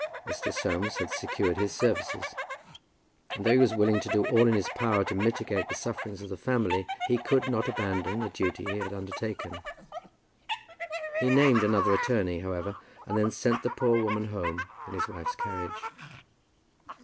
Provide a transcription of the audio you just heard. Mr. Soames had secured his services, and though he was willing to do all in his power to mitigate the sufferings of the family, he could not abandon the duty he had undertaken. He named another attorney, however, and then sent the poor woman home in his wife's carriage.